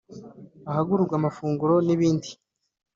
ahagurirwa amafunguro n’ibindi